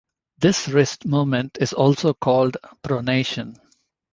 This wrist movement is also called pronation.